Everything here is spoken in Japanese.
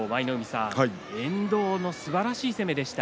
遠藤のすばらしい攻めでした。